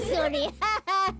ハハハ！